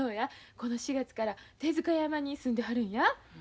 この４月から帝塚山に住んではるんや。